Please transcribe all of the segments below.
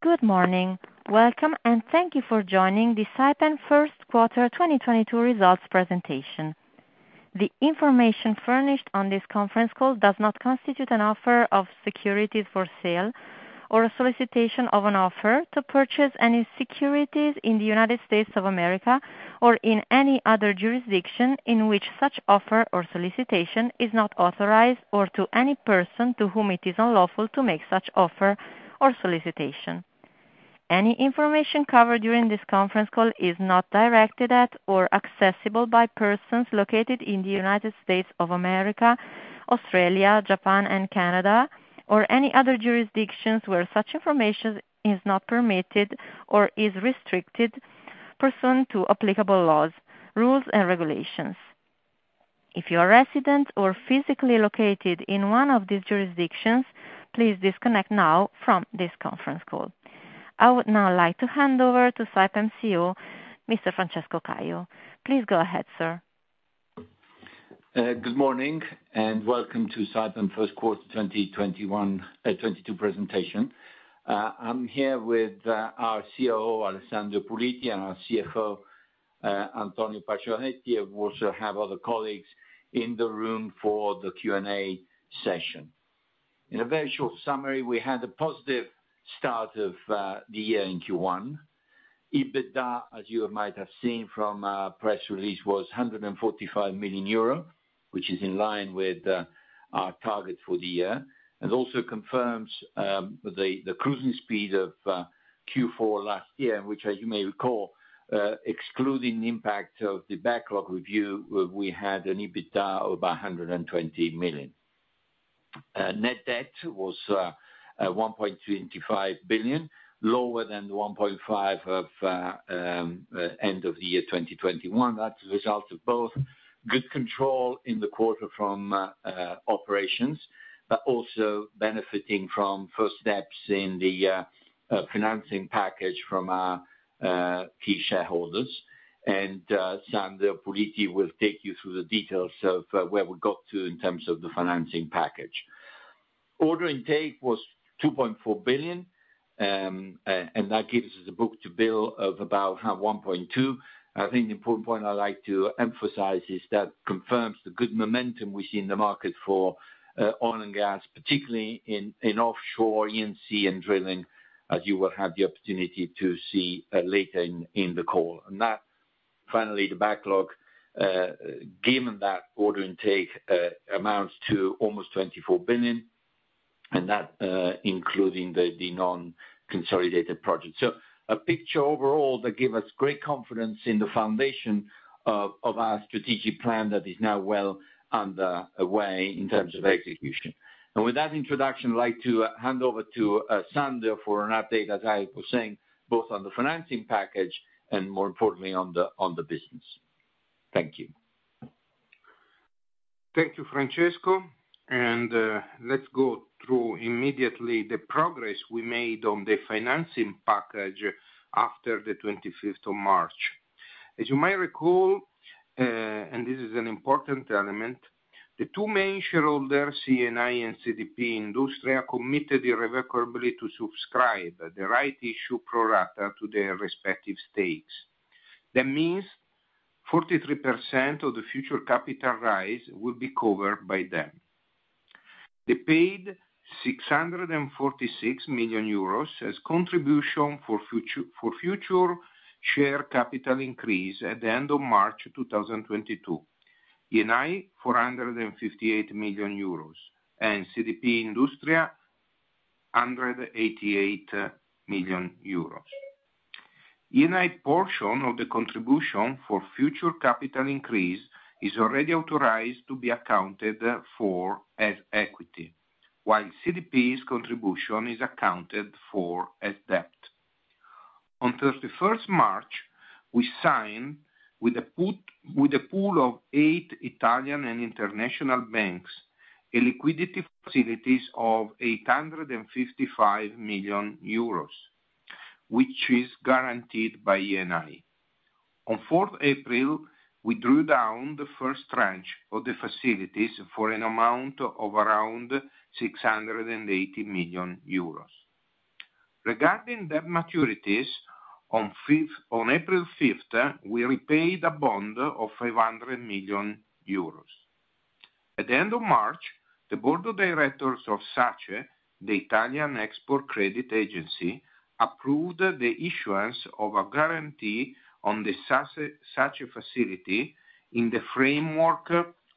Good morning. Welcome and thank you for joining the Saipem first quarter 2022 results presentation. The information furnished on this conference call does not constitute an offer of securities for sale or a solicitation of an offer to purchase any securities in the United States of America or in any other jurisdiction in which such offer or solicitation is not authorized, or to any person to whom it is unlawful to make such offer or solicitation. Any information covered during this conference call is not directed at or accessible by persons located in the United States of America, Australia, Japan and Canada, or any other jurisdictions where such information is not permitted or is restricted pursuant to applicable laws, rules and regulations. If you are a resident or physically located in one of these jurisdictions, please disconnect now from this conference call. I would now like to hand over to Saipem CEO, Mr. Francesco Caio. Please go ahead, sir. Good morning, and welcome to Saipem first quarter 2021, 2022 presentation. I'm here with our COO, Alessandro Puliti, and our CFO, Antonio Paccioretti. We also have other colleagues in the room for the Q&A session. In a very short summary, we had a positive start of the year in Q1. EBITDA, as you might have seen from our press release, was 145 million euro, which is in line with our target for the year, and also confirms the cruising speed of Q4 last year, which as you may recall, excluding the impact of the backlog review, we had an EBITDA of 120 million. Net debt was 1.25 billion, lower than the 1.5 billion of end of the year 2021. That's a result of both good control in the quarter from operations, but also benefiting from first steps in the financing package from our key shareholders. Sandro Puliti will take you through the details of where we got to in terms of the financing package. Order intake was 2.4 billion, and that gives us a book-to-bill of about 1.2. I think the important point I'd like to emphasize is that confirms the good momentum we see in the market for oil and gas, particularly in offshore, E&C and drilling, as you will have the opportunity to see later in the call. That finally the backlog given that order intake amounts to almost 24 billion, and that including the non-consolidated projects. A picture overall that give us great confidence in the foundation of our strategic plan that is now well under way in terms of execution. With that introduction, I'd like to hand over to Sandro for an update, as I was saying, both on the financing package and more importantly on the business. Thank you. Thank you, Francesco. Let's go through immediately the progress we made on the financing package after the 25th of March. As you might recall, and this is an important element, the two main shareholders, Eni and CDP Industria, committed irrevocably to subscribe the rights issue pro rata to their respective stakes. That means 43% of the future capital rise will be covered by them. They paid 646 million euros as contribution for future share capital increase at the end of March 2022. Eni, 458 million euros, and CDP Industria, 188 million euros. Eni portion of the contribution for future capital increase is already authorized to be accounted for as equity, while CDP's contribution is accounted for as debt. On 31st March, we signed with a pool of eight Italian and international banks, a liquidity facilities of 855 million euros, which is guaranteed by Eni. On 4th April, we drew down the first tranche of the facilities for an amount of around 680 million euros. Regarding debt maturities, on 5th April, we repaid a bond of 500 million euros. At the end of March, the board of directors of SACE, the Italian Export Credit Agency, approved the issuance of a guarantee on the Saipem-SACE facility in the framework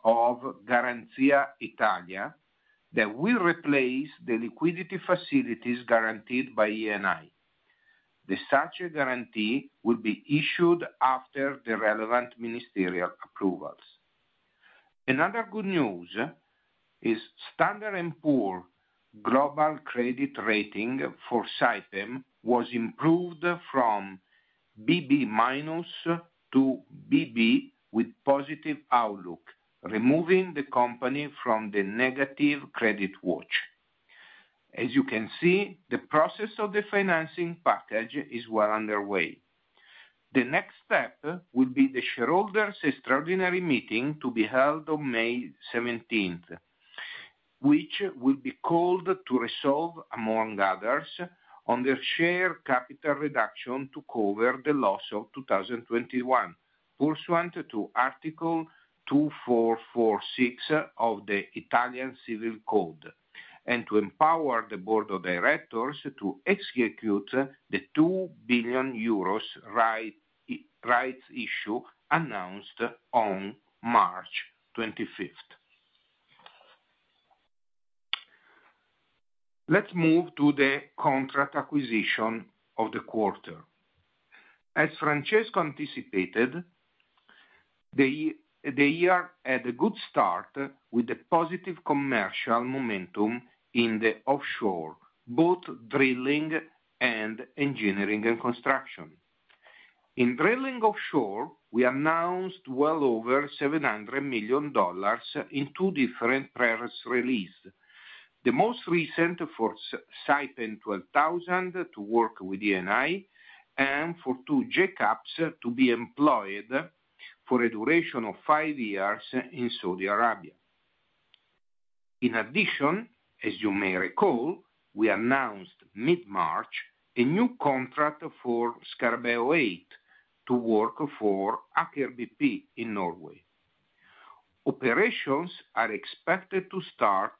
of Garanzia Italia that will replace the liquidity facilities guaranteed by Eni. The SACE guarantee will be issued after the relevant ministerial approvals. Another good news is S&P Global credit rating for Saipem was improved from BB- to BB with positive outlook, removing the company from the negative credit watch. As you can see, the process of the financing package is well underway. The next step will be the shareholders' extraordinary meeting to be held on May 17th, which will be called to resolve, among others, on the share capital reduction to cover the loss of 2021, pursuant to Article 2446 of the Italian Civil Code, and to empower the board of directors to execute the 2 billion euros rights issue announced on March 25th. Let's move to the contract acquisition of the quarter. As Francesco anticipated, the year had a good start with a positive commercial momentum in the offshore, both drilling and engineering and construction. In drilling offshore, we announced well over $700 million in two different press releases. The most recent for Saipem 12000 to work with Eni and for two jackups to be employed for a duration of five years in Saudi Arabia. In addition, as you may recall, we announced mid-March a new contract for Scarabeo 8 to work for Aker BP in Norway. Operations are expected to start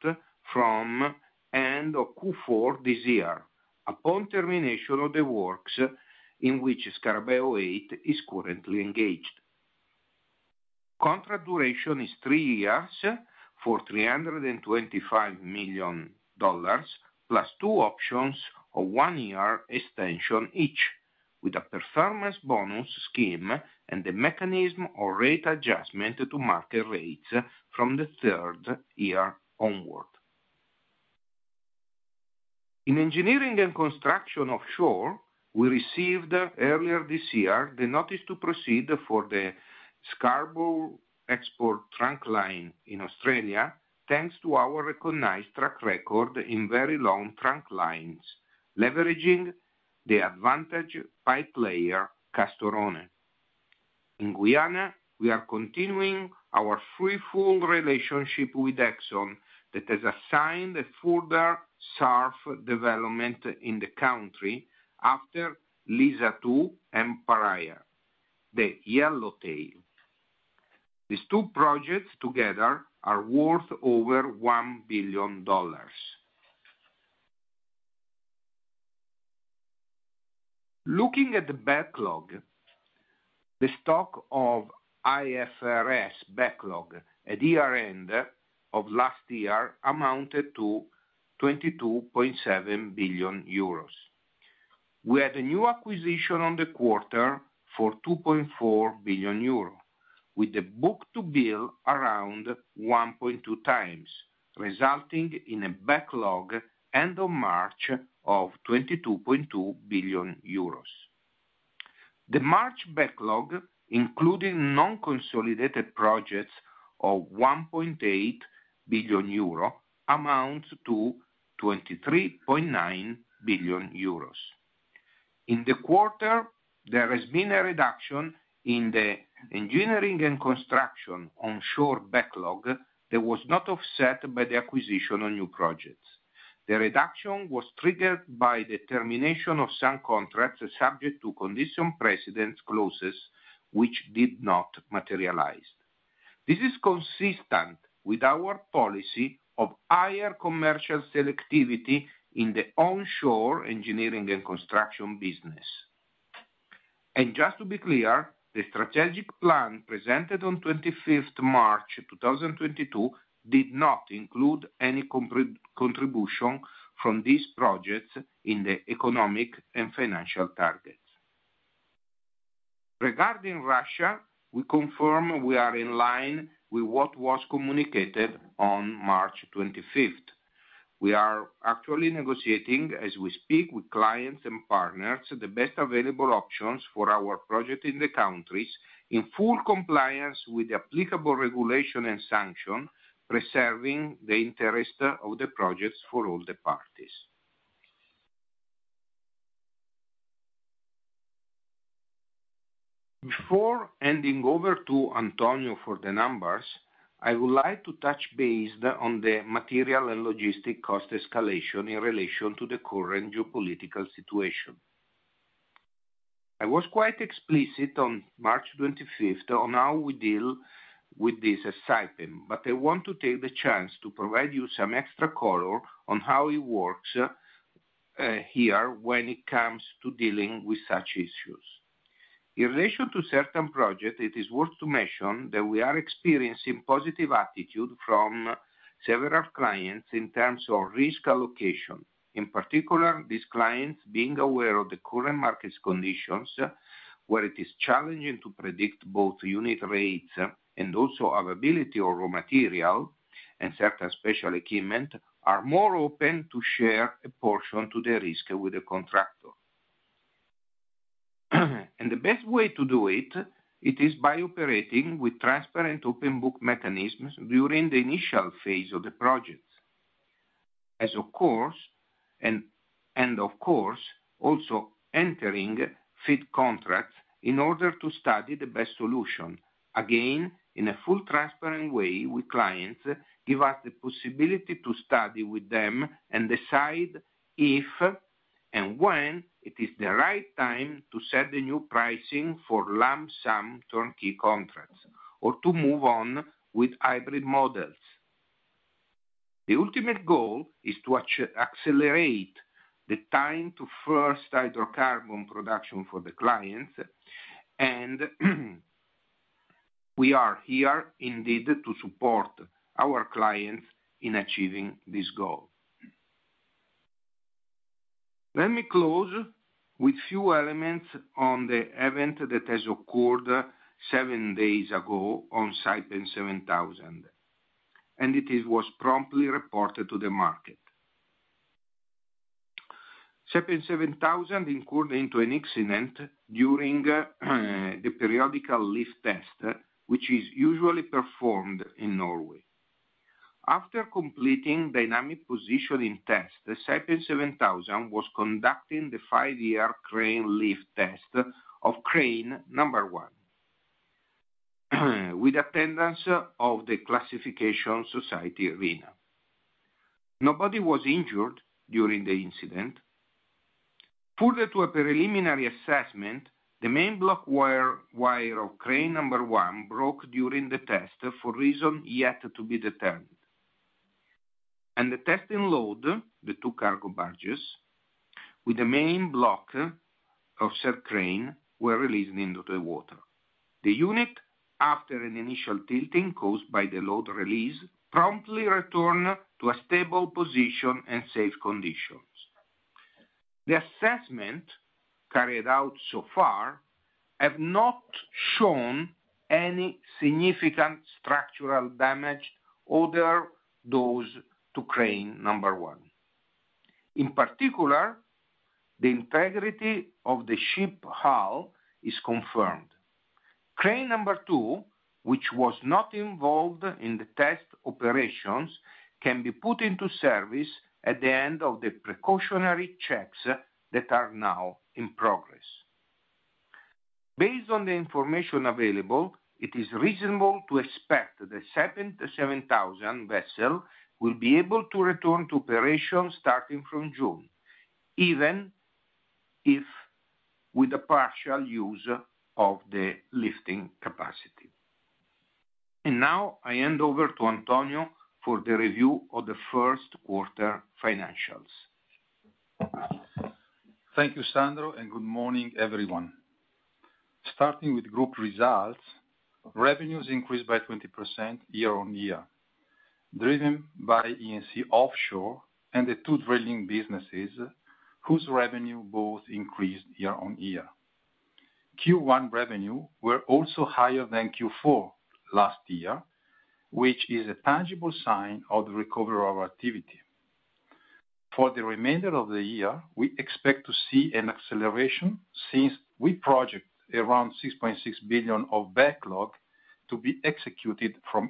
from end of Q4 this year, upon termination of the works in which Scarabeo 8 is currently engaged. Contract duration is three years for $325 million, plus two options of one-year extension each, with a performance bonus scheme and a mechanism for rate adjustment to market rates from the third year onward. In engineering and construction offshore, we received earlier this year the notice to proceed for the Scarborough export trunk line in Australia, thanks to our recognized track record in very long trunk lines, leveraging the advantage pipe layer, Castorone. In Guyana, we are continuing our fruitful relationship with ExxonMobil that has assigned a further SURF development in the country after Liza phase II and Payara, the Yellowtail. These two projects together are worth over $1 billion. Looking at the backlog, the stock of IFRS backlog at year-end of last year amounted to 22.7 billion euros. We had a new acquisition on the quarter for 2.4 billion euros, with the book-to-bill around 1.2x, resulting in a backlog end of March of 22.2 billion euros. The March backlog, including non-consolidated projects of 1.8 billion euro, amounts to 23.9 billion euros. In the quarter, there has been a reduction in the engineering and construction onshore backlog that was not offset by the acquisition on new projects. The reduction was triggered by the termination of some contracts subject to condition precedents clauses which did not materialize. This is consistent with our policy of higher commercial selectivity in the onshore engineering and construction business. Just to be clear, the strategic plan presented on 25th March 2022 did not include any contribution from these projects in the economic and financial targets. Regarding Russia, we confirm we are in line with what was communicated on March 25th. We are actually negotiating, as we speak, with clients and partners, the best available options for our project in the countries in full compliance with the applicable regulation and sanction, preserving the interest of the projects for all the parties. Before handing over to Antonio for the numbers, I would like to touch base on the material and logistic cost escalation in relation to the current geopolitical situation. I was quite explicit on March 25th on how we deal with this at Saipem, but I want to take the chance to provide you some extra color on how it works here when it comes to dealing with such issues. In relation to certain projects, it is worth to mention that we are experiencing positive attitude from several clients in terms of risk allocation. In particular, these clients, being aware of the current market conditions, where it is challenging to predict both unit rates and also availability of raw material and certain special equipment, are more open to share a portion of the risk with the contractor. The best way to do it is by operating with transparent open book mechanisms during the initial phase of the projects. Of course, also entering FID contracts in order to study the best solution, again, in a fully transparent way with clients, give us the possibility to study with them and decide if and when it is the right time to set a new pricing for lump sum turnkey contracts or to move on with hybrid models. The ultimate goal is to accelerate the time to first hydrocarbon production for the clients, and we are here indeed to support our clients in achieving this goal. Let me close with few elements on the event that has occurred seven days ago on Saipem 7000, and it was promptly reported to the market. Saipem 7000 incurred into an accident during the periodical lift test, which is usually performed in Norway. After completing dynamic positioning test, the Saipem 7000 was conducting the five-year crane lift test of crane number one, with attendance of the classification society RINA. Nobody was injured during the incident. According to a preliminary assessment, the main block wire of crane number one broke during the test for reason yet to be determined. The testing load, the two cargo barges, with the main block of said crane were released into the water. The unit, after an initial tilting caused by the load release, promptly returned to a stable position and safe conditions. The assessment carried out so far has not shown any significant structural damage other than those to crane number one. In particular, the integrity of the ship hull is confirmed. Crane number two, which was not involved in the test operations, can be put into service at the end of the precautionary checks that are now in progress. Based on the information available, it is reasonable to expect the Saipem 7000 vessel will be able to return to operation starting from June, even if with a partial use of the lifting capacity. Now I hand over to Antonio for the review of the first quarter financials. Thank you, Sandro, and good morning, everyone. Starting with group results, revenues increased by 20% year-on-year, driven by E&C offshore and the two drilling businesses whose revenue both increased year-on-year. Q1 revenue were also higher than Q4 last year, which is a tangible sign of the recovery of our activity. For the remainder of the year, we expect to see an acceleration since we project around 6.6 billion of backlog to be executed from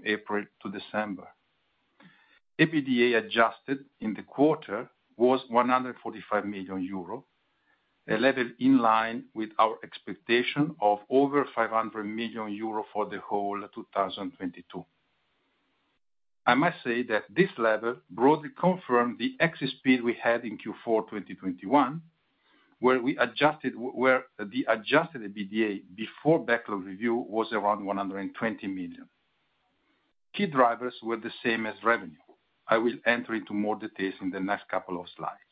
April-December. EBITDA adjusted in the quarter was 145 million euro, a level in line with our expectation of over 500 million euro for the whole 2022. I must say that this level broadly confirmed the excess speed we had in Q4 2021, where we adjusted where the adjusted EBITDA before backlog review was around 120 million. Key drivers were the same as revenue. I will enter into more details in the next couple of slides.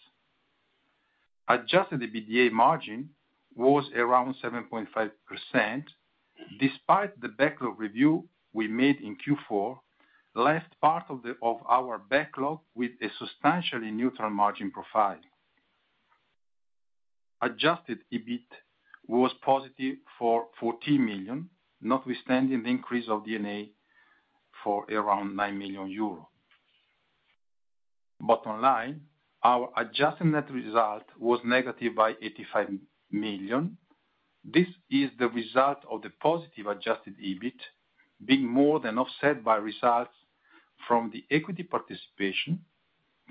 Adjusted EBITDA margin was around 7.5% despite the backlog review we made in Q4, last part of our backlog with a substantially neutral margin profile. Adjusted EBIT was positive for 14 million, notwithstanding the increase of D&A for around 9 million euro. Bottom line, our adjusted net result was negative by 85 million. This is the result of the positive adjusted EBIT being more than offset by results from the equity participation,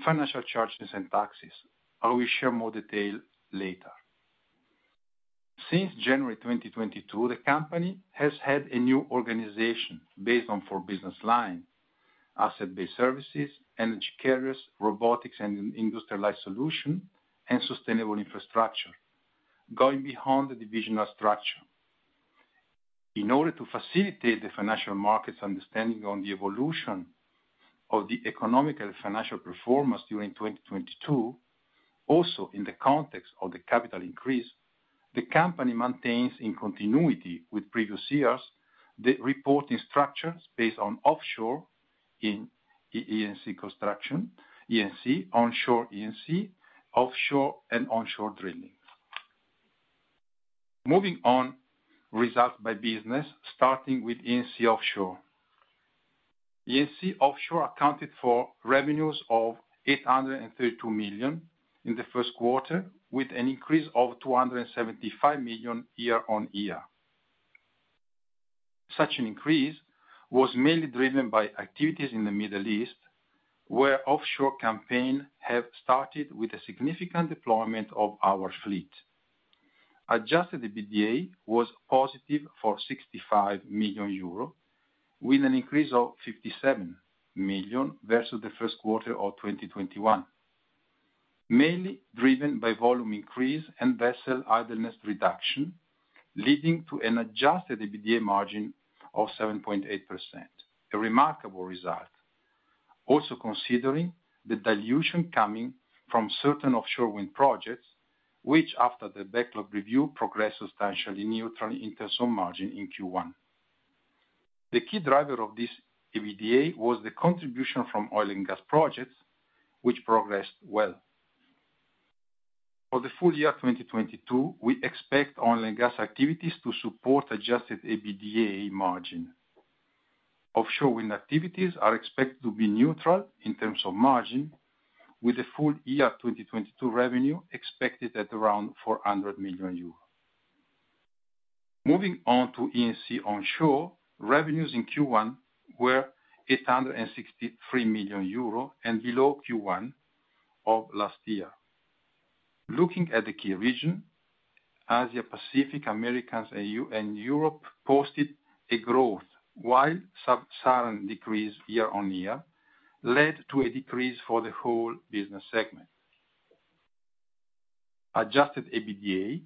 financial charges and taxes. I will share more detail later. Since January 2022, the company has had a new organization based on four business line: Asset Based Services, Energy Carriers, Robotics and Industrialized Solutions, and Sustainable Infrastructures, going beyond the divisional structure. In order to facilitate the financial markets' understanding on the evolution of the economic and financial performance during 2022, also in the context of the capital increase, the company maintains in continuity with previous years the reporting structures based on offshore E&C construction, E&C, onshore E&C, offshore and onshore drilling. Moving on, results by business, starting with E&C offshore. E&C offshore accounted for revenues of 832 million in the first quarter, with an increase of 275 million year-on-year. Such an increase was mainly driven by activities in the Middle East, where offshore campaigns have started with a significant deployment of our fleet. Adjusted EBITDA was positive for 65 million euro, with an increase of 57 million versus the first quarter of 2021. Mainly driven by volume increase and vessel idleness reduction, leading to an adjusted EBITDA margin of 7.8%, a remarkable result. Also considering the dilution coming from certain offshore wind projects, which after the backlog review progressed substantially neutral in terms of margin in Q1. The key driver of this EBITDA was the contribution from oil and gas projects, which progressed well. For the full year 2022, we expect oil and gas activities to support adjusted EBITDA margin. Offshore wind activities are expected to be neutral in terms of margin, with the full year 2022 revenue expected at around 400 million euros. Moving on to E&C onshore, revenues in Q1 were 863 million euro and below Q1 of last year. Looking at the key region, Asia, Pacific, Americas, AU, and Europe posted a growth while Sub-Saharan decrease year-on-year led to a decrease for the whole business segment. Adjusted EBITDA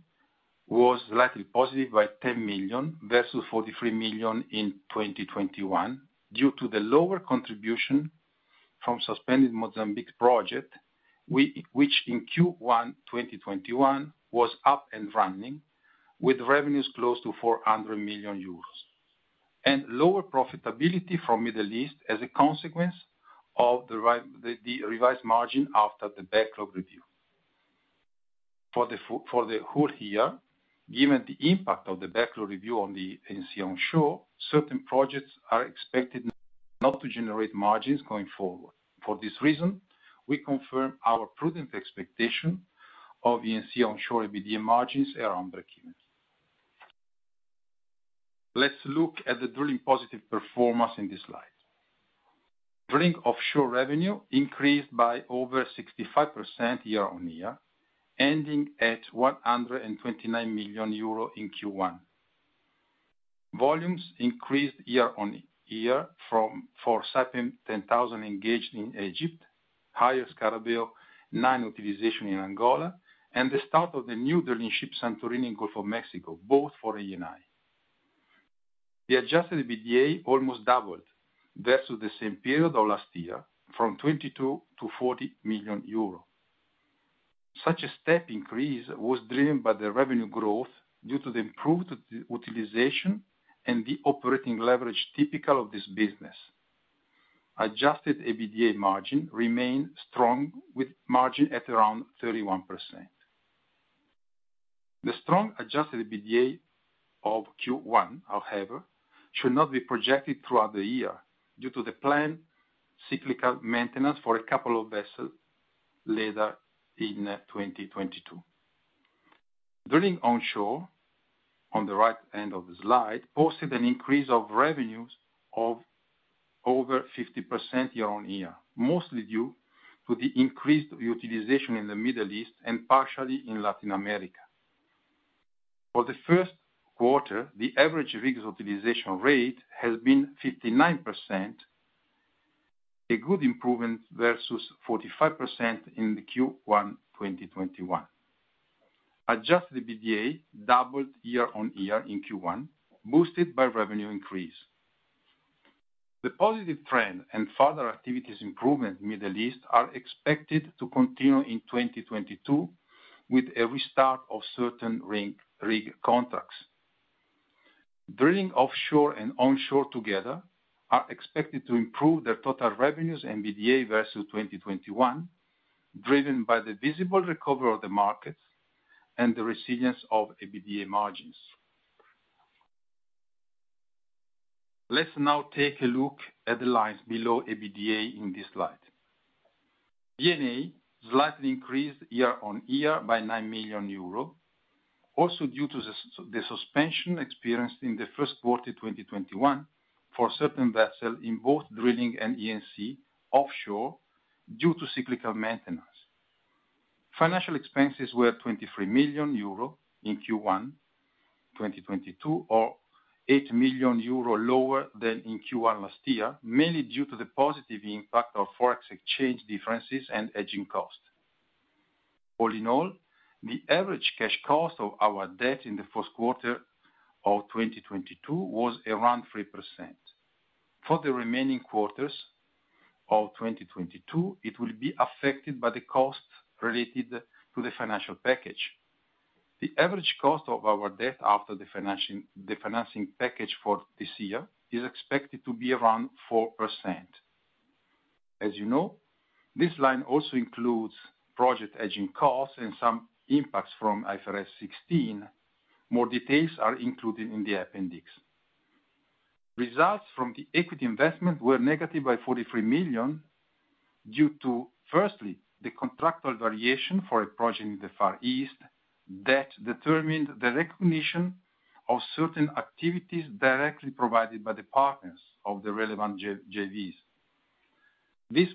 was slightly positive by 10 million versus 43 million in 2021 due to the lower contribution from suspended Mozambique project, which in Q1 2021 was up and running with revenues close to 400 million euros. Lower profitability from Middle East as a consequence of the revised margin after the backlog review. For the whole year, given the impact of the backlog review on the E&C onshore, certain projects are expected not to generate margins going forward. For this reason, we confirm our prudent expectation of E&C onshore EBITDA margins around breakeven. Let's look at the drilling positive performance in this slide. Drilling offshore revenue increased by over 65% year-on-year, ending at EUR 129 million in Q1. Volumes increased year-on-year from Saipem 10000 engaged in Egypt, higher Scarabeo 9 utilization in Angola, and the start of the new drilling ship, Santorini in Gulf of Mexico, both for Eni. The adjusted EBITDA almost doubled versus the same period of last year, from 22 million-40 million euro. Such a step increase was driven by the revenue growth due to the improved utilization and the operating leverage typical of this business. Adjusted EBITDA margin remained strong with margin at around 31%. The strong adjusted EBITDA of Q1, however, should not be projected throughout the year due to the planned cyclical maintenance for a couple of vessels later in 2022. Drilling onshore, on the right end of the slide, posted an increase of revenues of over 50% year-on-year, mostly due to the increased utilization in the Middle East and partially in Latin America. For the first quarter, the average rigs optimization rate has been 59%, a good improvement versus 45% in the Q1 2021. Adjusted EBITDA doubled year-on-year in Q1, boosted by revenue increase. The positive trend and further activities improvement in Middle East are expected to continue in 2022 with a restart of certain rig contracts. Drilling offshore and onshore together are expected to improve their total revenues and EBITDA versus 2021, driven by the visible recovery of the markets and the resilience of EBITDA margins. Let's now take a look at the lines below EBITDA in this slide. D&A slightly increased year-on-year by 9 million euro, also due to the suspension experienced in the first quarter 2021 for certain vessels in both drilling and E&C offshore due to cyclical maintenance. Financial expenses were 23 million euro in Q1 2022, or 8 million euro lower than in Q1 last year, mainly due to the positive impact of Forex exchange differences and hedging costs. All in all, the average cash cost of our debt in the first quarter of 2022 was around 3%. For the remaining quarters of 2022, it will be affected by the costs related to the financial package. The average cost of our debt after the financing package for this year is expected to be around 4%. As you know, this line also includes project hedging costs and some impacts from IFRS 16. More details are included in the appendix. Results from the equity investment were negative by 43 million. Due to, firstly, the contractual variation for a project in the Far East that determined the recognition of certain activities directly provided by the partners of the relevant JVs. This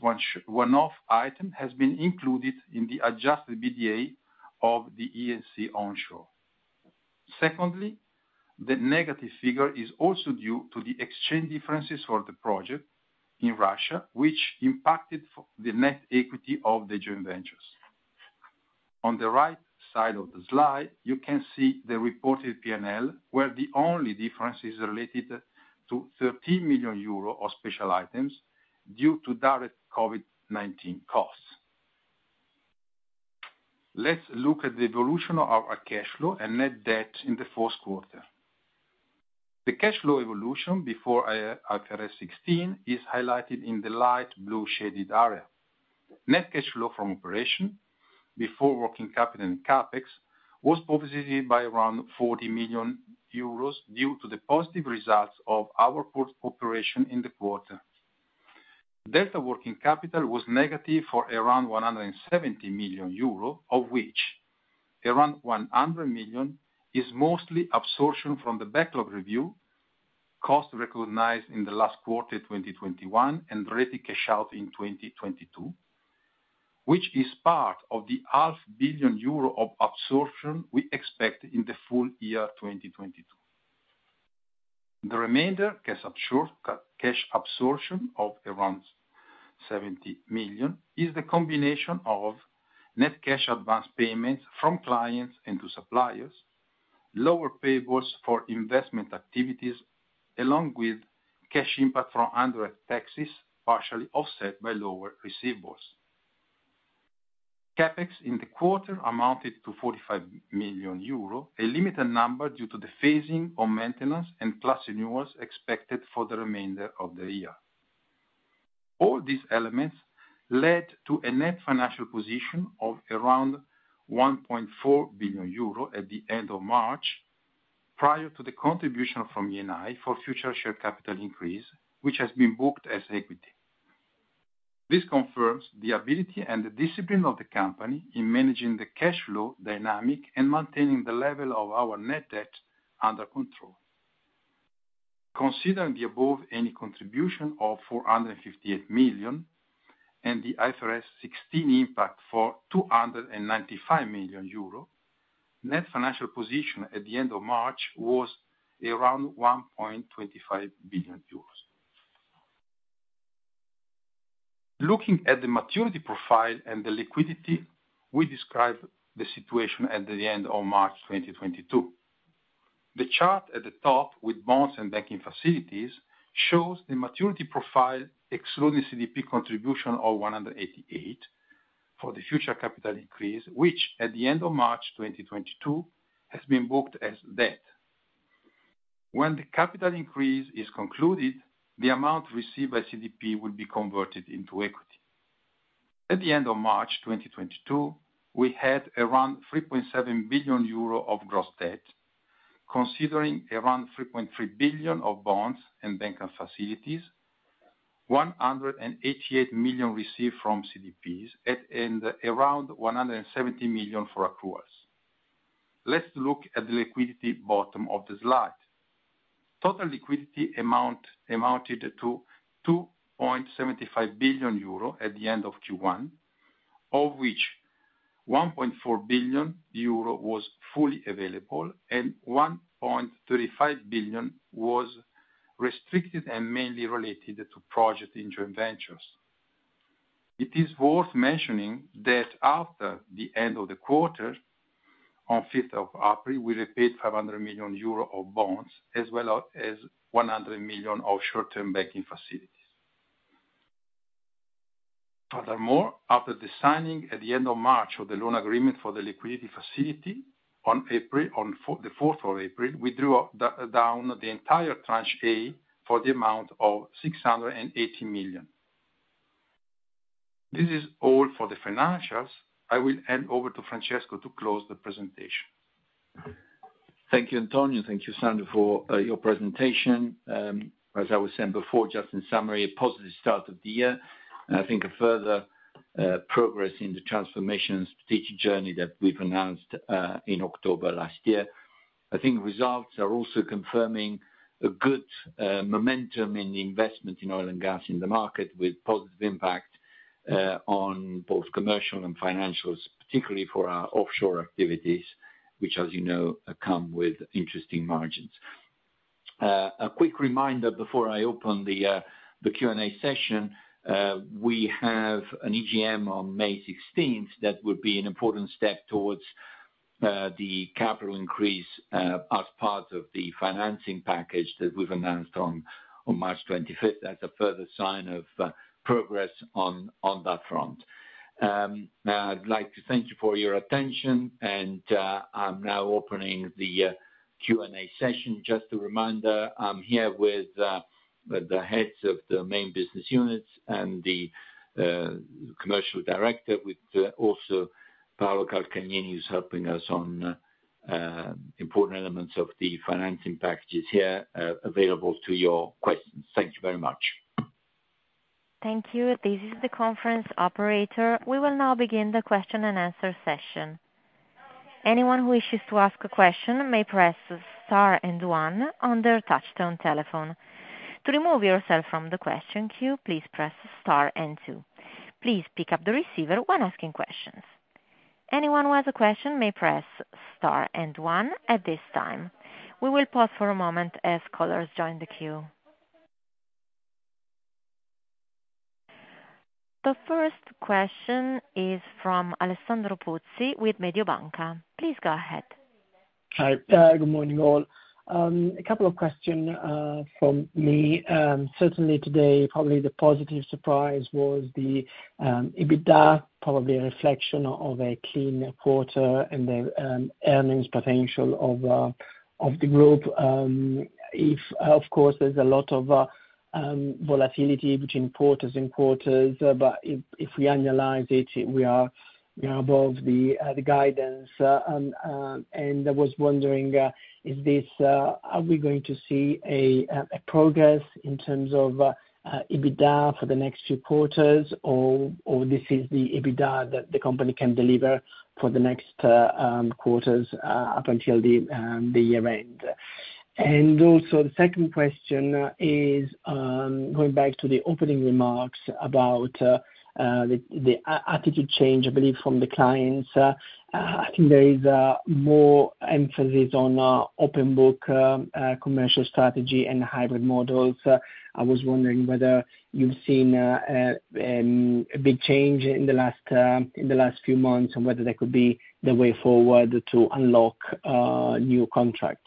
one-off item has been included in the adjusted EBITDA of the E&C onshore. Secondly, the negative figure is also due to the exchange differences for the project in Russia, which impacted the net equity of the joint ventures. On the right side of the slide, you can see the reported P&L, where the only difference is related to 30 million euro of special items due to direct COVID-19 costs. Let's look at the evolution of our cash flow and net debt in the fourth quarter. The cash flow evolution before IFRS 16 is highlighted in the light blue shaded area. Net cash flow from operations before working capital and CapEx was positive by around 40 million euros due to the positive results of our operating in the quarter. Delta working capital was negative for around 170 million euro, of which around 100 million is mostly absorption from the backlog review, costs recognized in the last quarter of 2021, and ready to cash out in 2022, which is part of the half billion EUR of absorption we expect in the full year 2022. The remainder cash absorption of around 70 million is the combination of net cash advance payments from clients and to suppliers, lower payables for investment activities, along with cash impact from indirect taxes, partially offset by lower receivables. CapEx in the quarter amounted to 45 million euro, a limited number due to the phasing of maintenance and plus renewals expected for the remainder of the year. All these elements led to a net financial position of around 1.4 billion euro at the end of March, prior to the contribution from Eni for future share capital increase, which has been booked as equity. This confirms the ability and the discipline of the company in managing the cash flow dynamic and maintaining the level of our net debt under control. Considering the above, any contribution of 458 million and the IFRS 16 impact for 295 million euro, net financial position at the end of March was around 1.25 billion euros. Looking at the maturity profile and the liquidity, we describe the situation at the end of March 2022. The chart at the top with bonds and banking facilities shows the maturity profile, excluding CDP contribution of 188 for the future capital increase, which at the end of March 2022 has been booked as debt. When the capital increase is concluded, the amount received by CDP will be converted into equity. At the end of March 2022, we had around 3.7 billion euro of gross debt, considering around 3.3 billion of bonds and banking facilities, 188 million received from CDP, and around 170 million for accruals. Let's look at the liquidity at the bottom of the slide. Total liquidity amounted to 2.75 billion euro at the end of Q1, of which 1.4 billion euro was fully available and 1.35 billion was restricted and mainly related to projects in joint ventures. It is worth mentioning that after the end of the quarter, on the 5th of April, we repaid 500 million euro of bonds as well as 100 million of short-term banking facilities. Furthermore, after the signing at the end of March of the loan agreement for the liquidity facility, on the 4th of April, we drew down the entire Tranche A for the amount of 680 million. This is all for the financials. I will hand over to Francesco to close the presentation. Thank you, Antonio. Thank you, Sandro, for your presentation. As I was saying before, just in summary, a positive start of the year, and I think a further progress in the transformation strategic journey that we've announced in October last year. I think results are also confirming a good momentum in the investment in oil and gas in the market, with positive impact on both commercial and financials, particularly for our offshore activities, which as you know, come with interesting margins. A quick reminder before I open the Q&A session, we have an EGM on May 16th. That would be an important step towards the capital increase, as part of the financing package that we've announced on March 25th. That's a further sign of progress on that front. Now I'd like to thank you for your attention and, I'm now opening the Q&A session. Just a reminder, I'm here with the heads of the main business units and the commercial director with also Paolo Calcagnini, who's helping us on Important elements of the financing packages here, available to answer your questions. Thank you very much. Thank you. This is the conference operator. We will now begin the question-and-answer session. Anyone who wishes to ask a question may press star and one on their touch-tone telephone. To remove yourself from the question queue, please press star and two. Please pick up the receiver when asking questions. Anyone who has a question may press star and one at this time. We will pause for a moment as callers join the queue. The first question is from Alessandro Pozzi with Mediobanca. Please go ahead. Hi. Good morning, all. A couple of question from me. Certainly today probably the positive surprise was the EBITDA, probably a reflection of a clean quarter and the earnings potential of the group. If of course there's a lot of volatility between quarters and quarters, but if we annualize it, we are, you know, above the guidance. And I was wondering, is this—are we going to see a progress in terms of EBITDA for the next few quarters or this is the EBITDA that the company can deliver for the next quarters up until the year end? Also the second question is, going back to the opening remarks about the attitude change, I believe, from the clients. I think there is more emphasis on open book commercial strategy and hybrid models. I was wondering whether you've seen a big change in the last few months, and whether that could be the way forward to unlock new contracts.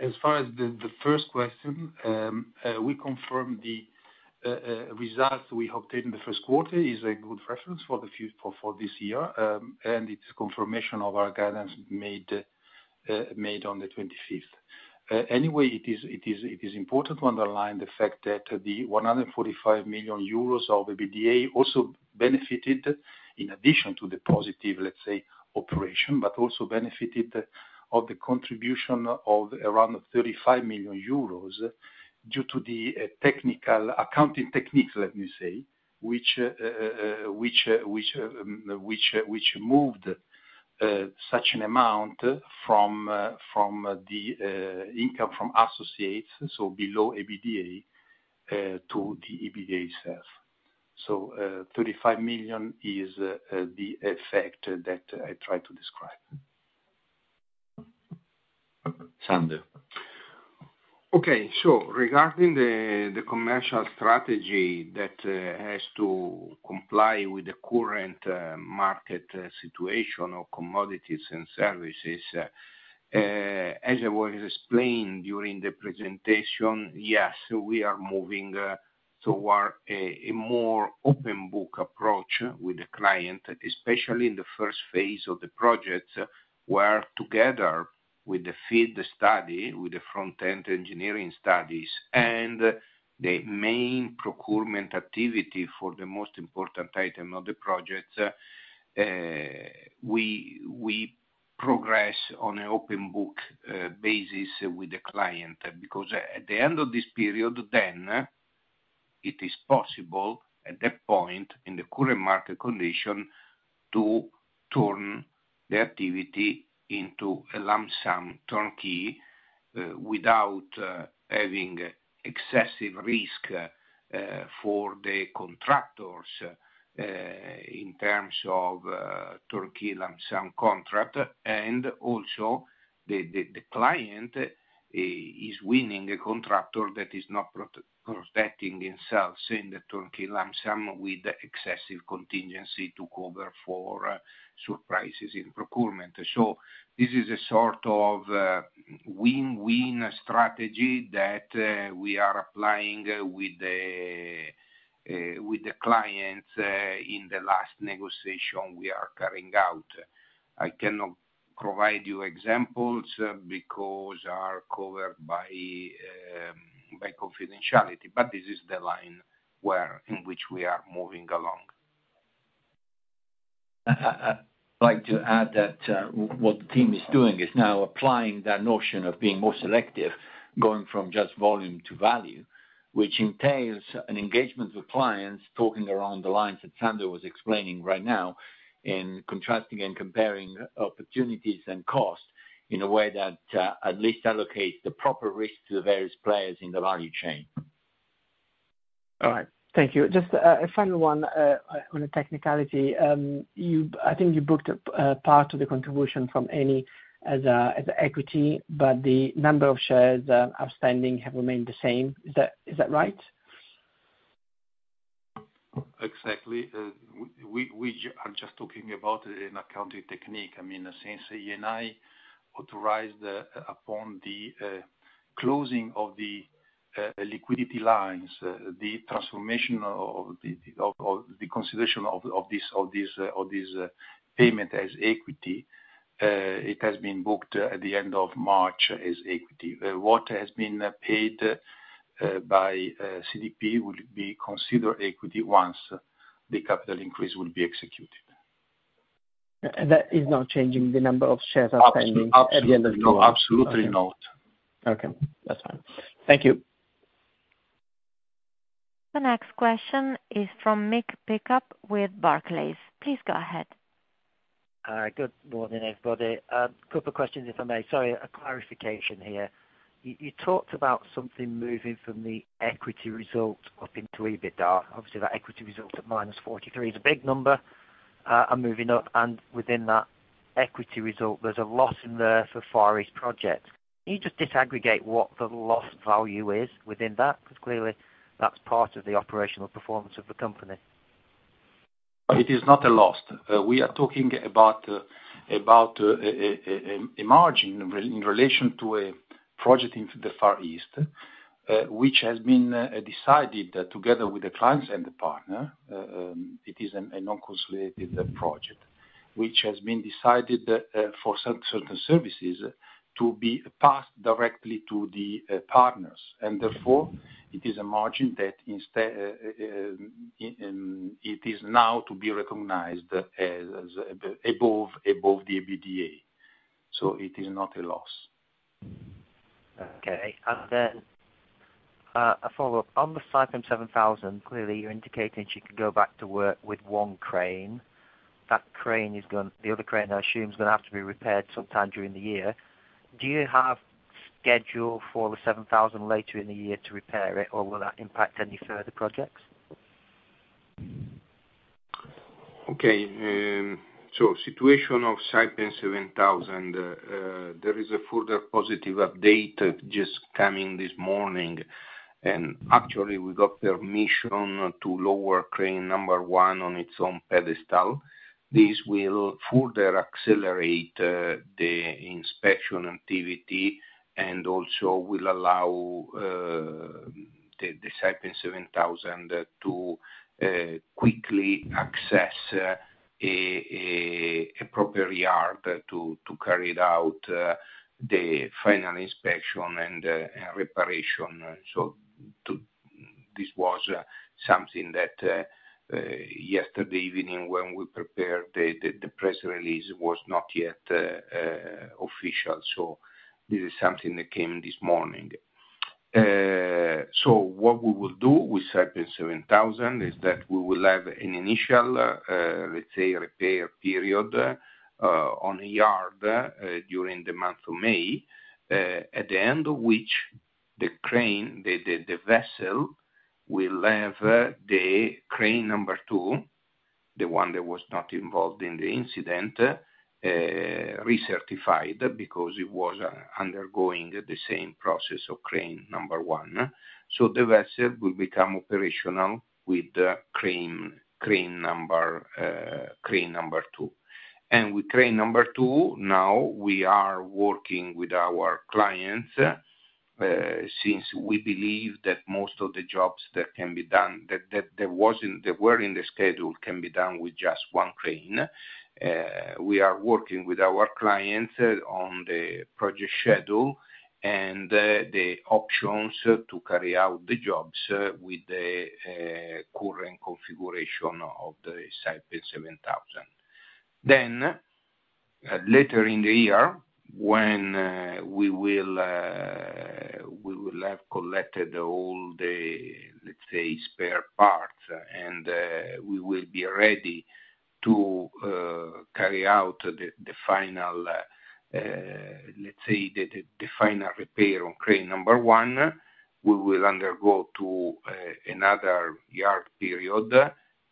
As far as the first question, we confirm the results we obtained in the first quarter is a good reference for this year, and it's confirmation of our guidance made on the 25th. Anyway, it is important to underline the fact that the 145 million euros of EBITDA also benefited in addition to the positive, let's say, operation, but also benefited of the contribution of around 35 million euros due to the technical, accounting techniques, let me say, which moved such an amount from the income from associates, so below EBITDA, to the EBITDA itself. 35 million is the effect that I tried to describe. Sandro? Okay. Regarding the commercial strategy that has to comply with the current market situation of commodities and services, as I was explaining during the presentation, yes, we are moving toward a more open book approach with the client, especially in the first phase of the project, where together with the field study, with the front-end engineering studies and the main procurement activity for the most important item of the project, we progress on a open book basis with the client. Because at the end of this period, then it is possible at that point in the current market condition to turn the activity into a lump sum turnkey without having excessive risk for the contractors in terms of turnkey lump sum contract. Also, the client is winning a contractor that is not protecting himself in the turnkey lump sum with excessive contingency to cover for surprises in procurement. This is a sort of a win-win strategy that we are applying with the clients in the last negotiation we are carrying out. I cannot provide you examples because are covered by confidentiality, but this is the line where, in which we are moving along. I'd like to add that what the team is doing is now applying that notion of being more selective, going from just volume to value, which entails an engagement with clients talking along the lines that Sandro was explaining right now in contrasting and comparing opportunities and costs in a way that at least allocates the proper risk to the various players in the value chain. All right. Thank you. Just a final one on a technicality. You, I think you booked a part of the contribution from Eni as an equity, but the number of shares outstanding have remained the same. Is that right? Exactly. I'm just talking about an accounting technique. I mean, since Eni authorized, upon the closing of the liquidity lines, the transformation of the consideration of this payment as equity, it has been booked at the end of March as equity. What has been paid by CDP will be considered equity once the capital increase will be executed. That is not changing the number of shares outstanding at the end of the year? Ab-ab- Okay. No, absolutely not. Okay. That's fine. Thank you. The next question is from Mick Pickup with Barclays. Please go ahead. Good morning, everybody. Couple questions if I may. Sorry, a clarification here. You talked about something moving from the equity result up into EBITDA. Obviously, that equity result at -43 is a big number, and moving up. Within that equity result, there's a loss in there for Far East projects. Can you just disaggregate what the loss value is within that? Because clearly that's part of the operational performance of the company. It is not a loss. We are talking about a margin in relation to a project in the Far East, which has been decided together with the clients and the partner. It is a non-consolidated project, which has been decided for certain services to be passed directly to the partners. Therefore, it is a margin that instead it is now to be recognized as above the EBITDA. It is not a loss. Okay. A follow-up. On the Saipem 7000, clearly, you're indicating she could go back to work with one crane. That crane is the other crane, I assume, is gonna have to be repaired sometime during the year. Do you have a schedule for the Saipem 7000 later in the year to repair it, or will that impact any further projects? Okay, situation of Saipem 7000, there is a further positive update just coming this morning. Actually, we got permission to lower crane number one on its own pedestal. This will further accelerate the inspection activity and also will allow the Saipem 7000 to quickly access a proper yard to carry out the final inspection and reparation. This was something that yesterday evening when we prepared the press release was not yet official. This is something that came this morning. What we will do with Saipem 7000 is that we will have an initial, let's say repair period, on a yard, during the month of May, at the end of which the crane, the vessel will have the crane number two, the one that was not involved in the incident, recertified because it was undergoing the same process of crane number one. The vessel will become operational with the crane number two. With crane number two, now we are working with our clients, since we believe that most of the jobs that can be done, that were in the schedule can be done with just one crane. We are working with our clients on the project schedule and the options to carry out the jobs with the current configuration of the Saipem 7000. Later in the year, when we will have collected all the, let's say, spare parts and we will be ready to carry out the final repair on crane number one, we will undergo to another yard period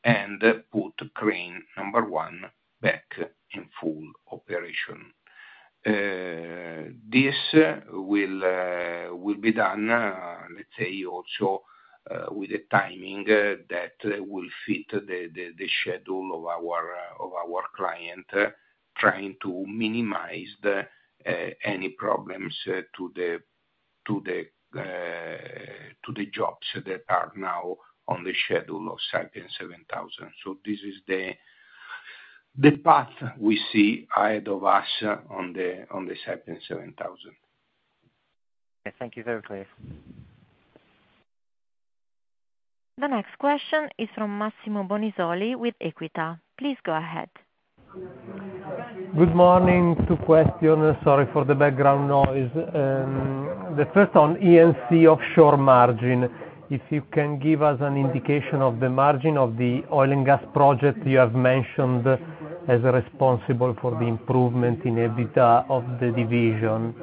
and put crane number one back in full operation. This will be done, let's say, also, with a timing that will fit the schedule of our client, trying to minimize any problems to the jobs that are now on the schedule of Saipem 7000. This is the path we see ahead of us on the Saipem 7000. Thank you. Very clear. The next question is from Massimo Bonisoli with Equita. Please go ahead. Good morning. Two question. Sorry for the background noise. The first on E&C offshore margin, if you can give us an indication of the margin of the oil and gas project you have mentioned as responsible for the improvement in EBITDA of the division.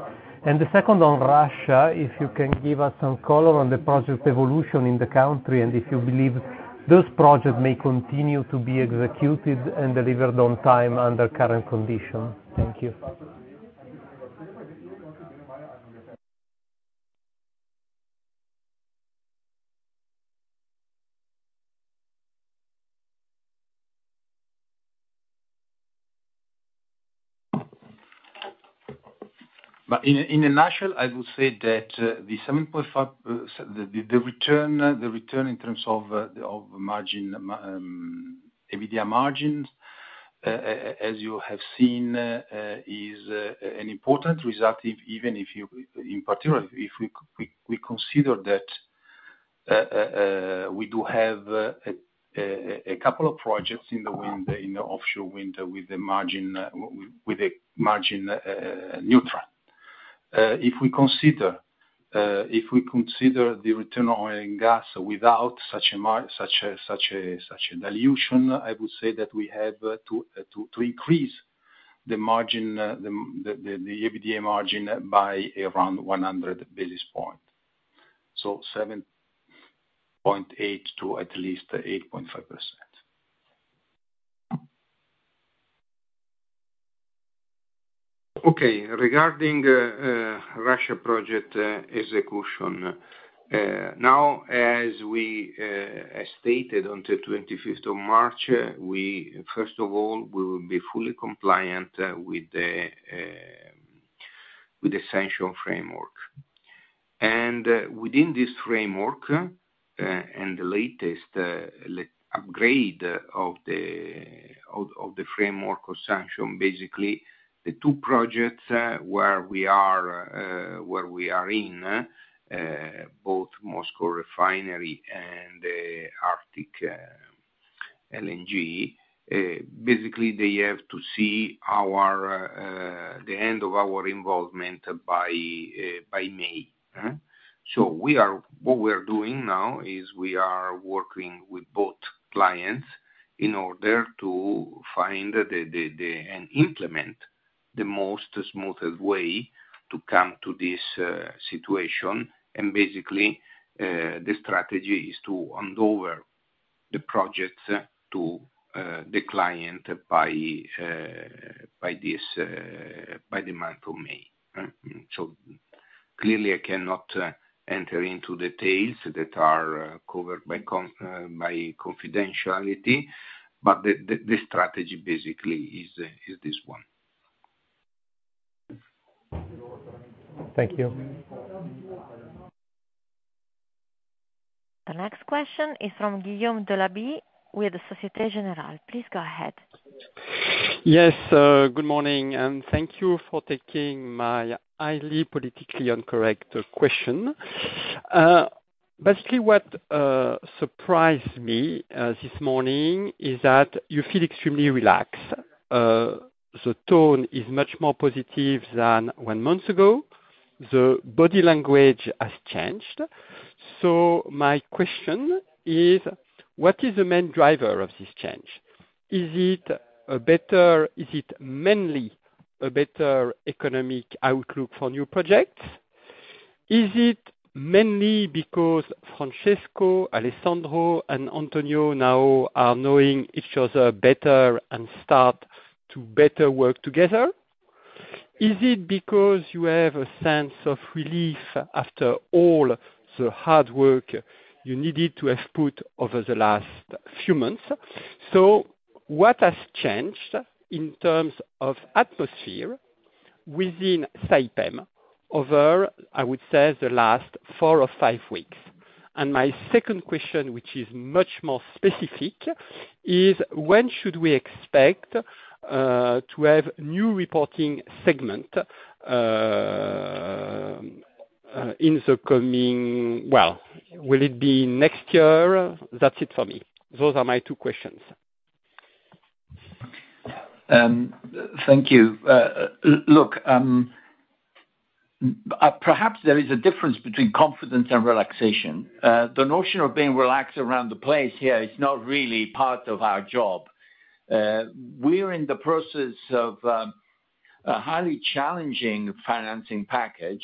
The second on Russia, if you can give us some color on the project evolution in the country, and if you believe those projects may continue to be executed and delivered on time under current conditions. Thank you. In a nutshell, I would say that the return in terms of margin, EBITDA margins, as you have seen, is an important result, even if you. In particular, if we consider that We do have a couple of projects in the offshore wind with the margin neutral. If we consider the return on oil and gas without such a margin dilution, I would say that we have to increase the EBITDA margin by around 100 basis points. 7.8% to at least 8.5%. Okay. Regarding Russia project execution now, as stated on the 25th of March, we first of all will be fully compliant with the existing framework. Within this framework and the latest upgrade of the framework assumption, basically the two projects where we are in both Moscow Refinery and Arctic LNG basically they have to see the end of our involvement by May. What we are doing now is we are working with both clients in order to find the and implement the smoothest way to come to this situation. Basically the strategy is to hand over the projects to the client by the month of May. Clearly, I cannot enter into details that are covered by confidentiality. The strategy basically is this one. Thank you. The next question is from Guillaume Delaby with Société Générale. Please go ahead. Yes, good morning, and thank you for taking my highly politically incorrect question. Basically what surprised me this morning is that you feel extremely relaxed. The tone is much more positive than one month ago. The body language has changed. My question is, what is the main driver of this change? Is it mainly a better economic outlook for new projects? Is it mainly because Francesco, Alessandro, and Antonio now are knowing each other better and start to better work together? Is it because you have a sense of relief after all the hard work you needed to have put over the last few months? What has changed in terms of atmosphere within Saipem over, I would say, the last four or five weeks? My second question, which is much more specific, is when should we expect to have new reporting segment in the coming. Well, will it be next year? That's it for me. Those are my two questions. Thank you. Look, perhaps there is a difference between confidence and relaxation. The notion of being relaxed around the place here is not really part of our job. We're in the process of a highly challenging financing package.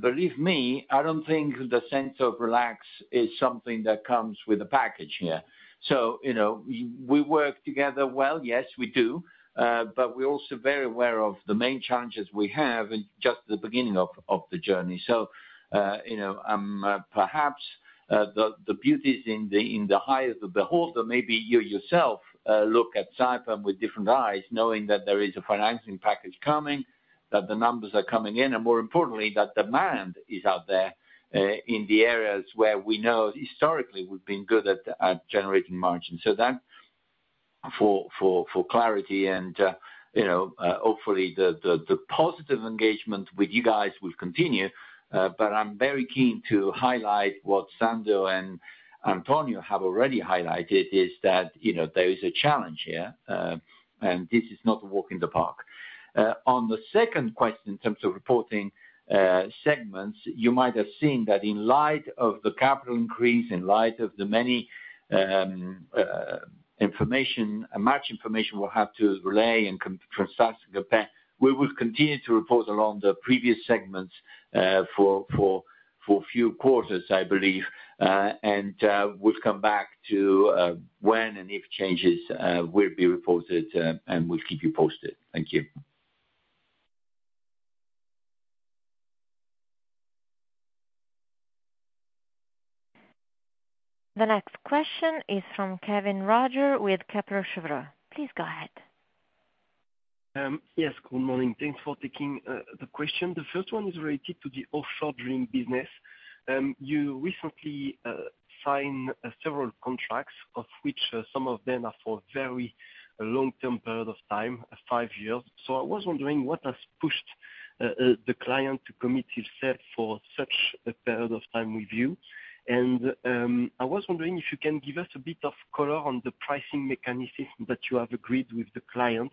Believe me, I don't think the sense of relaxation is something that comes with the package here. You know, we work together well, yes, we do, but we're also very aware of the main challenges we have and just the beginning of the journey. You know, perhaps the beauty is in the eye of the beholder. Maybe you yourself look at Saipem with different eyes, knowing that there is a financing package coming, that the numbers are coming in, and more importantly, that demand is out there in the areas where we know historically we've been good at generating margins. Thanks for clarity and you know hopefully the positive engagement with you guys will continue. I'm very keen to highlight what Sandro and Antonio have already highlighted is that you know there is a challenge here and this is not a walk in the park. On the second question, in terms of reporting segments, you might have seen that in light of the capital increase, in light of much information we'll have to relay from Saipem, we will continue to report along the previous segments for a few quarters, I believe. We'll come back to when and if changes will be reported, and we'll keep you posted. Thank you. The next question is from Kevin Roger with Kepler Cheuvreux. Please go ahead. Yes, good morning. Thanks for taking the question. The first one is related to the offshore drilling business. You recently signed several contracts, of which some of them are for very long term period of time, five years. I was wondering what has pushed The client to commit himself for such a period of time with you. I was wondering if you can give us a bit of color on the pricing mechanism that you have agreed with the client,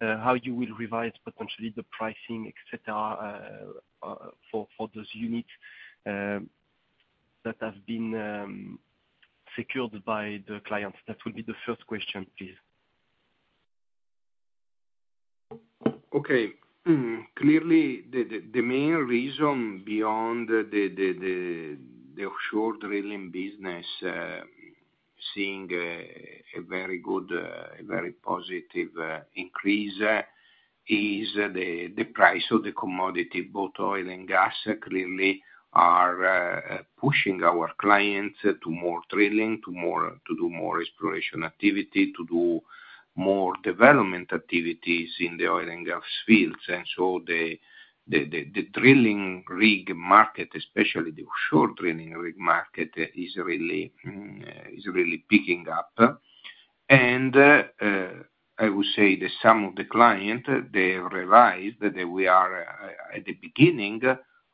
how you will revise potentially the pricing, et cetera, for those units that have been secured by the clients? That will be the first question, please. Okay. Clearly, the main reason behind the offshore drilling business seeing a very good, a very positive increase is the price of the commodity. Both oil and gas clearly are pushing our clients to more drilling, to do more exploration activity, to do more development activities in the oil and gas fields. The drilling rig market, especially the offshore drilling rig market, is really picking up. I would say that some of the clients, they realize that we are at the beginning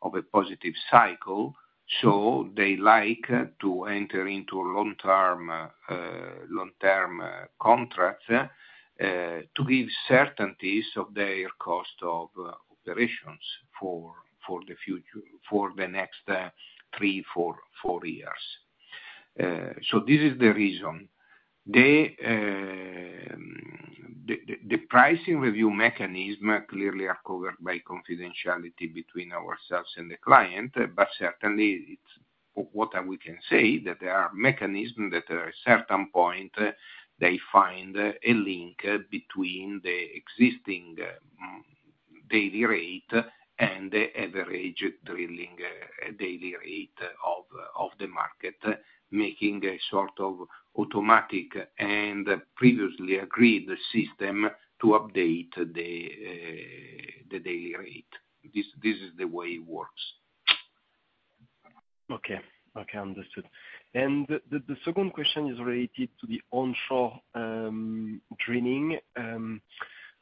of a positive cycle, so they like to enter into long-term contracts to give certainties of their cost of operations for the next three, four years. This is the reason. The pricing review mechanism clearly are covered by confidentiality between ourselves and the client, but certainly it's what we can say that there are mechanisms that are at a certain point, they find a link between the existing daily rate and the average drilling daily rate of the market, making a sort of automatic and previously agreed system to update the daily rate. This is the way it works. Okay, understood. The second question is related to the onshore drilling.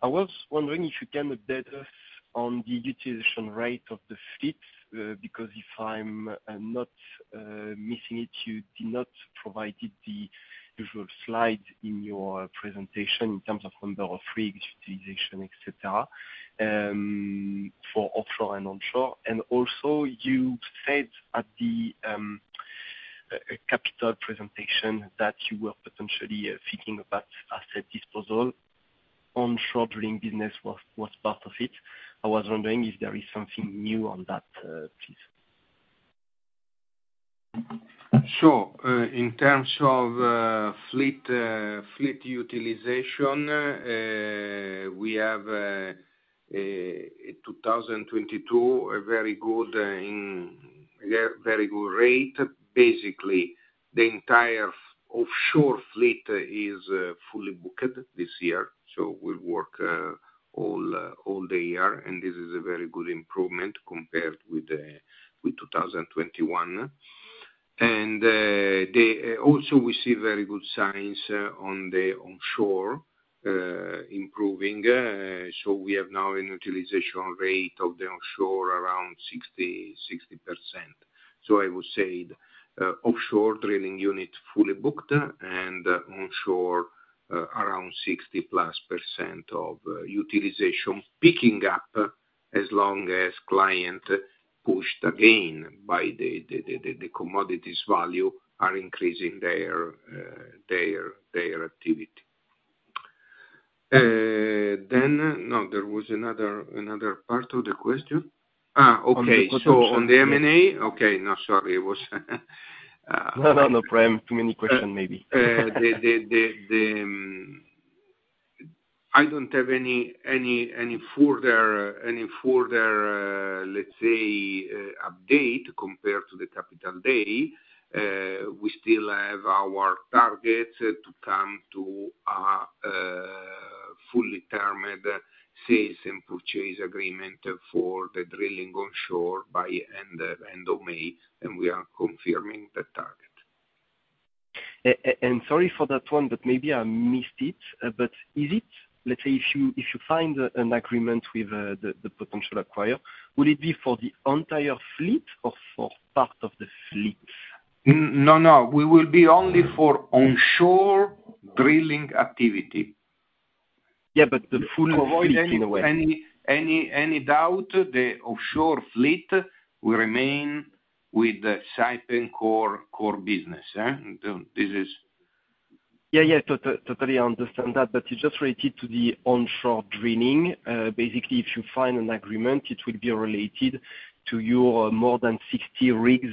I was wondering if you can update us on the utilization rate of the fleet, because if I'm not missing it, you did not provide the usual slide in your presentation in terms of number of rigs utilization, etc., for offshore and onshore. Also you said at the capital presentation that you were potentially thinking about asset disposal. Onshore drilling business was part of it. I was wondering if there is something new on that, please. Sure. In terms of fleet utilization, we have in 2022 a very good rate. Basically, the entire offshore fleet is fully booked this year, so we work all the year. This is a very good improvement compared with 2021. Also, we see very good signs on the onshore improving. So we have now a utilization rate of the onshore around 60%. I would say the offshore drilling unit fully booked and onshore around 60%+ of utilization picking up as long as client pushed again by the commodities value are increasing their activity. No, there was another part of the question. Okay. On the M&A. On the M&A. Okay. No, sorry. It was No problem. Too many questions, maybe. I don't have any further, let's say, update compared to the Capital Day. We still have our target to come to a fully termed sales and purchase agreement for the drilling onshore by end of May, and we are confirming the target. Sorry for that one, but maybe I missed it. Is it, let's say, if you find an agreement with the potential acquirer, would it be for the entire fleet or for part of the fleet? No, no. We will be only for onshore drilling activity. Yeah, the full fleet anyway. To avoid any doubt, the offshore fleet will remain with the Saipem core business. This is- Yeah, yeah. Totally understand that. It's just related to the onshore drilling. Basically, if you find an agreement, it will be related to your more than 60 rigs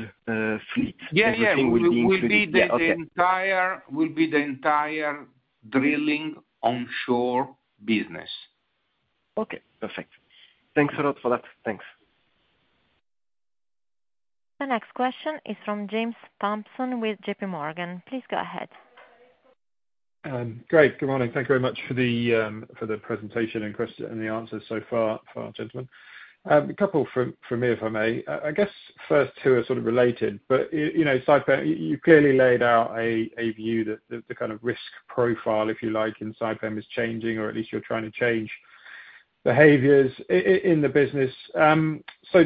fleet. Yeah, yeah. Everything will be included. Will be- Yeah, okay. will be the entire drilling onshore business. Okay. Perfect. Thanks a lot for that. Thanks. The next question is from James Thompson with JP Morgan. Please go ahead. Great. Good morning. Thank you very much for the presentation and the answers so far for our gentlemen. A couple from me, if I may. I guess first two are sort of related. You know, Saipem, you clearly laid out a view that the kind of risk profile, if you like, in Saipem is changing, or at least you're trying to change behaviors in the business.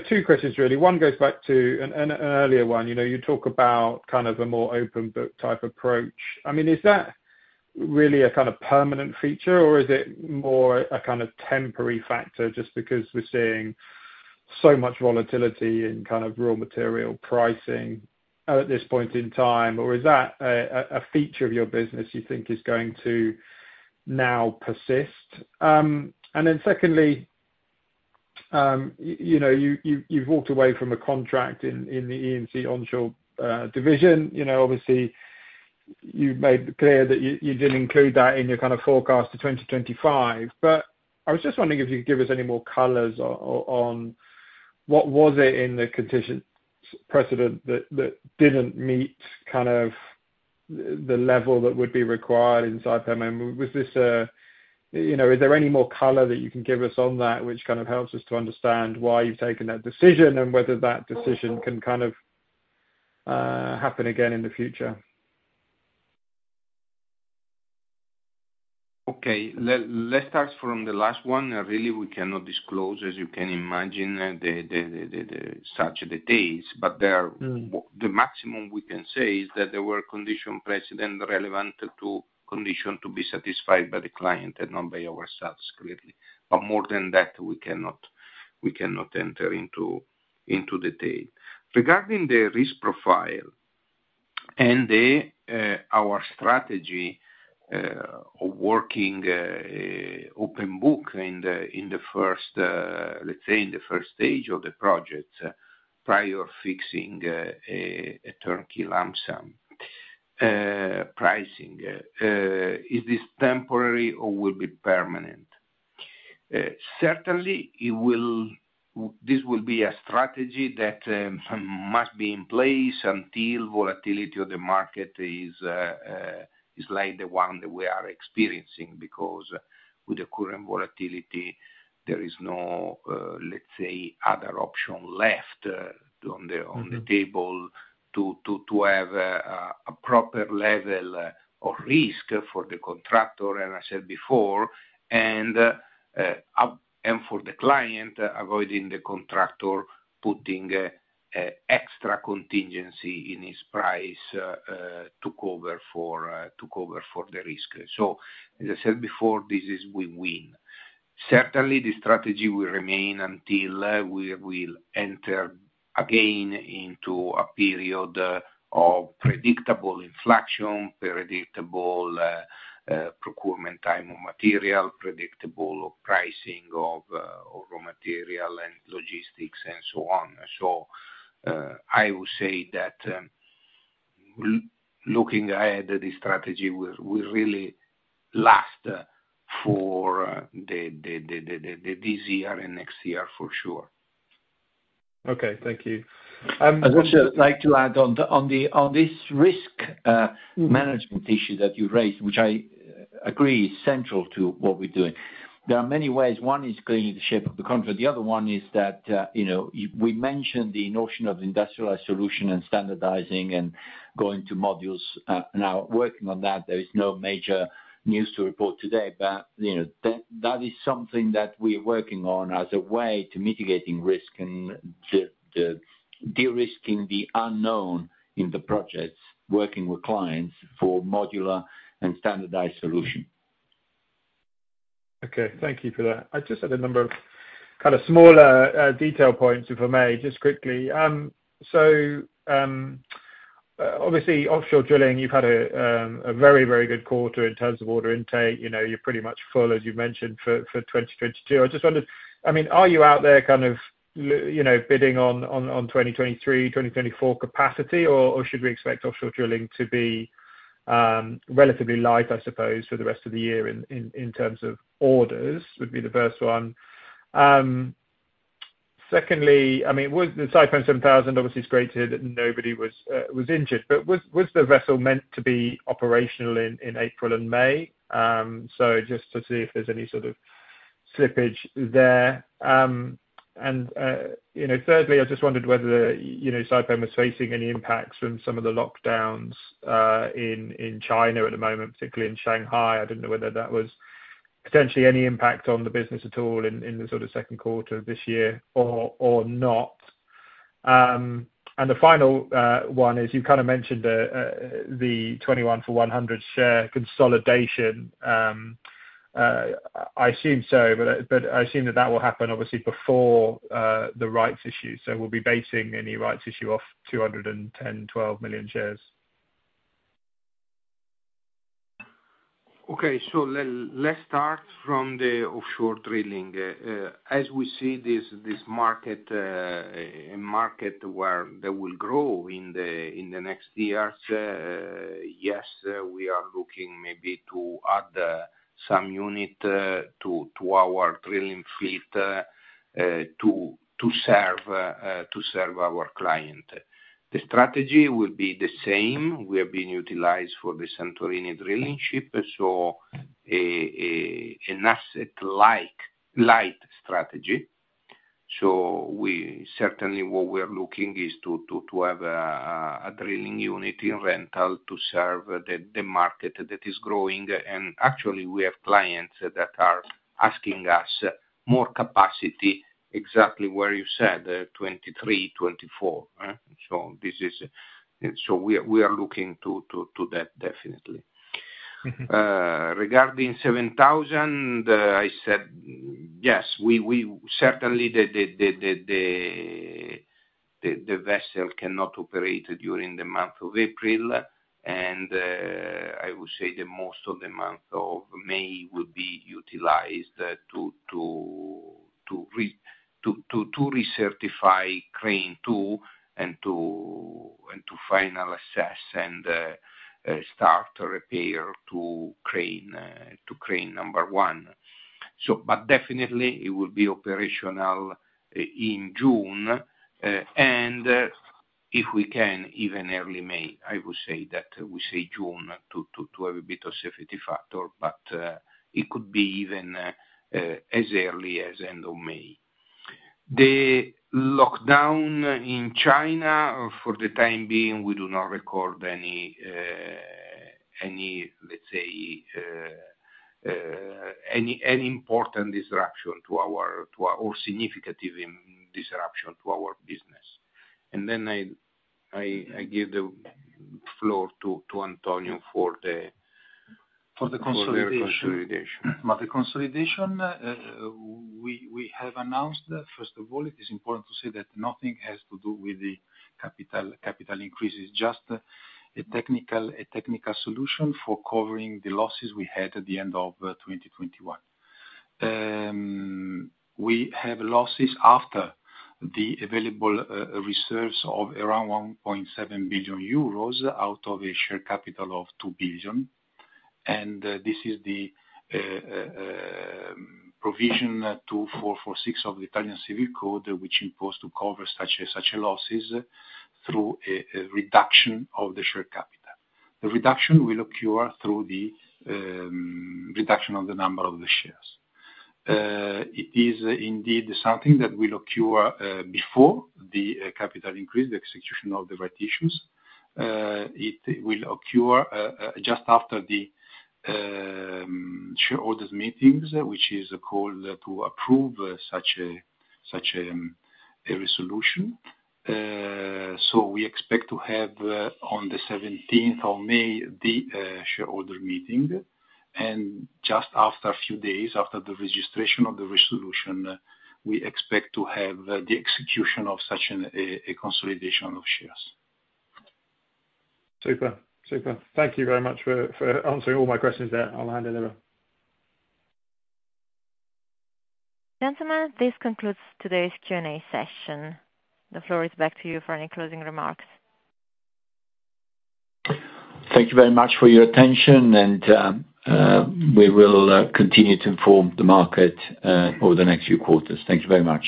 Two questions really. One goes back to an earlier one. You know, you talk about kind of a more open book type approach. I mean, is that really a kind of permanent feature, or is it more a kind of temporary factor just because we're seeing so much volatility in kind of raw material pricing at this point in time? Is that a feature of your business you think is going to now persist? And then secondly, you know, you've walked away from a contract in the E&C onshore division. You know, obviously you've made it clear that you didn't include that in your kind of forecast to 2025. But I was just wondering if you could give us any more colors on what was it in the condition precedent that didn't meet kind of the level that would be required in Saipem? I mean, was this a. You know, is there any more color that you can give us on that which kind of helps us to understand why you've taken that decision and whether that decision can kind of happen again in the future? Okay. Let's start from the last one. Really we cannot disclose, as you can imagine, the such details, but there- Mm. The maximum we can say is that there were condition precedent relevant to condition to be satisfied by the client and not by ourselves, clearly. More than that, we cannot enter into detail. Regarding the risk profile and our strategy, working open book in the first, let's say, in the first stage of the project prior to fixing a turnkey lump sum pricing. Is this temporary or will be permanent? Certainly this will be a strategy that must be in place until volatility of the market is like the one that we are experiencing, because with the current volatility, there is no, let's say, other option left on the table to have a proper level of risk for the contractor, as I said before, and for the client avoiding the contractor putting extra contingency in his price to cover for the risk. As I said before, this is win-win. Certainly the strategy will remain until we will enter again into a period of predictable inflation, predictable procurement time of material, predictable pricing of raw material and logistics and so on. I would say that, looking ahead, this strategy will really last for this year and next year for sure. Okay, thank you. I also like to add on this risk management issue that you raised, which I agree is central to what we're doing. There are many ways. One is cleaning the ship of the contract. The other one is that you know we mentioned the notion of industrialized solution and standardizing and going to modules. Now working on that, there is no major news to report today. You know that is something that we are working on as a way to mitigating risk and the de-risking the unknown in the projects, working with clients for modular and standardized solution. Okay, thank you for that. I just had a number of kind of smaller detail points, if I may, just quickly. So, obviously offshore drilling, you've had a very good quarter in terms of order intake. You know, you're pretty much full, as you mentioned, for 2022. I just wondered, I mean, are you out there kind of you know, bidding on 2023, 2024 capacity? Or should we expect offshore drilling to be relatively light, I suppose, for the rest of the year in terms of orders? Would be the first one. Secondly, I mean, was the Saipem 7000 obviously it's great to hear that nobody was injured, but was the vessel meant to be operational in April and May? Just to see if there's any sort of slippage there. You know, thirdly, I just wondered whether, you know, Saipem was facing any impacts from some of the lockdowns in China at the moment, particularly in Shanghai. I didn't know whether that was potentially any impact on the business at all in the sort of second quarter of this year or not. The final one is you kind of mentioned the 21-for-100 share consolidation. I assume so, but I assume that will happen obviously before the rights issue. We'll be basing any rights issue off 210.12 million shares. Okay, let's start from the offshore drilling. As we see this market, a market where they will grow in the next years, yes, we are looking maybe to add some unit to our drilling fleet to serve our client. The strategy will be the same, we have been utilized for the Santorini drilling ship, an asset light strategy. We certainly what we are looking is to have a drilling unit in rental to serve the market that is growing. Actually we have clients that are asking us more capacity exactly where you said, 2023, 2024. We are looking to that definitely. Regarding Saipem 7000, I said yes, we certainly, the vessel cannot operate during the month of April. I would say most of the month of May will be utilized to recertify crane two and to finally assess and start repair to crane number one. But definitely it will be operational in June, and if we can even early May, I would say that we say June to have a bit of safety factor, but it could be even as early as end of May. The lockdown in China for the time being, we do not record any, let's say, any important disruption to our business or even significant disruption to our business. I give the floor to Antonio for the For the consolidation. For the consolidation. The consolidation we have announced. First of all, it is important to say that nothing has to do with the capital increases, just a technical solution for covering the losses we had at the end of 2021. We have losses after the available reserves of around 1.7 billion euros out of a share capital of 2 billion. This is the Article 2446 of the Italian Civil Code, which imposes to cover such losses through a reduction of the share capital. The reduction will occur through the reduction of the number of the shares. It is indeed something that will occur before the capital increase, the execution of the rights issues. It will occur just after the shareholders meetings, which is called to approve such a resolution. We expect to have on the 17th of May the shareholder meeting, and just after a few days after the registration of the resolution, we expect to have the execution of such a consolidation of shares. Super. Thank you very much for answering all my questions there. I'll hand it over. Gentlemen, this concludes today's Q&A session. The floor is back to you for any closing remarks. Thank you very much for your attention, and we will continue to inform the market over the next few quarters. Thank you very much.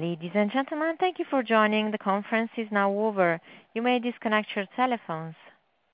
Ladies and gentlemen, thank you for joining. The conference is now over. You may disconnect your telephones.